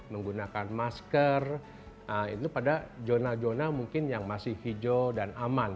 menggunakan masker itu pada zona zona mungkin yang masih hijau dan aman